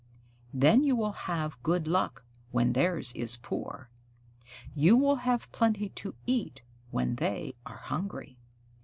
Then you will have good luck when theirs is poor. You will have plenty to eat when they are hungry.